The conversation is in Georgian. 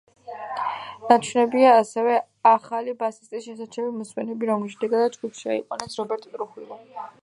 ნაჩვენებია ასევე ახალი ბასისტის შესარჩევი მოსმენები, რომლის შემდეგაც ჯგუფში აიყვანეს რობერტ ტრუჰილო.